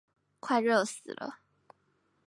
快熱死了